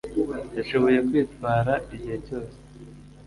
yashoboye kwitwara igihe cyose